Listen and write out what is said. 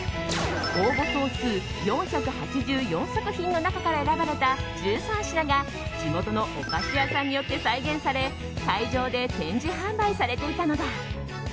応募総数４８４作品の中から選ばれた１３品が地元のお菓子屋さんによって再現され会場で展示販売されていたのだ。